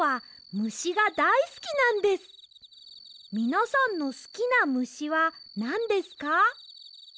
みなさんのすきなむしはなんですか？